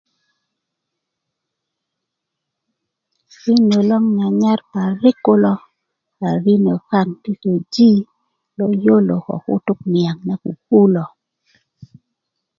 rino loŋ 'n nyanyar parik kulo a rino kaŋ ti koji lo yolo ko kutuk niyaŋ na kuku lo